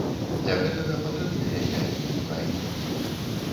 Для гэтага патрэбныя яйкі, мука і малако.